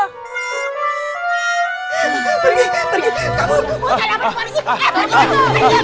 tidak tidak tidak